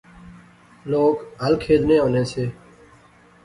لوک ہل کھیدنے ہونے سے